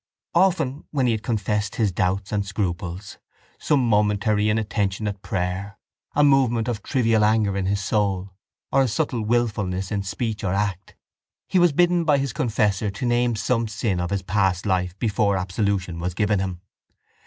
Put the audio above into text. Often when he had confessed his doubts and scruples, some momentary inattention at prayer, a movement of trivial anger in his soul, or a subtle wilfulness in speech or act, he was bidden by his confessor to name some sin of his past life before absolution was given him.